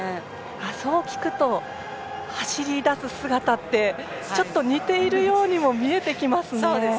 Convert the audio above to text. そう聞くと、走り出す姿ってちょっと似ているようにも見えてきますね。